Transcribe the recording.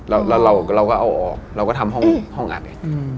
แล้วเราก็เอาออกเราก็ทำห้องอัดไง